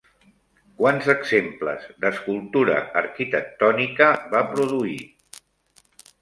Quants exemples d'escultura arquitectònica va produir?